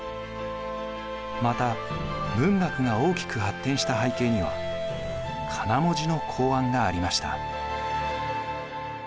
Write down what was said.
また文学が大きく発展した背景にはかな文字の考案がありました。